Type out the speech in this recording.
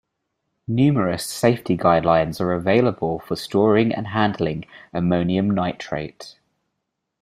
Numerous safety guidelines are available for storing and handling ammonium nitrate.